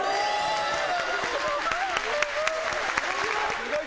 すごい！